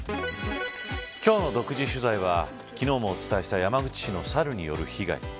今日の独自取材は昨日もお伝えした山口市のサルによる被害。